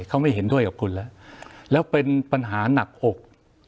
เขาไม่เห็นด้วยกับคุณแล้วแล้วเป็นปัญหาหนักอก